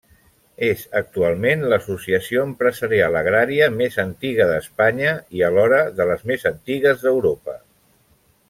És, actualment, l’Associació Empresarial Agrària més antiga d’Espanya i, alhora, de les més antigues d’Europa.